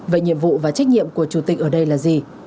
vậy nhiệm vụ và trách nhiệm của chủ tịch ở đây là gì